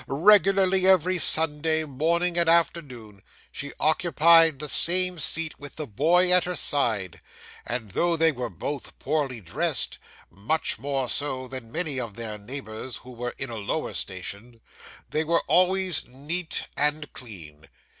Regularly every Sunday, morning and afternoon, she occupied the same seat with the boy at her side; and though they were both poorly dressed much more so than many of their neighbours who were in a lower station they were always neat and clean.